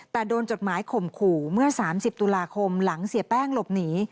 แต่โดนจดหมายข่มขู่เมื่อ๓๐ตุลาคมหลังเสียแป้งหลบหนี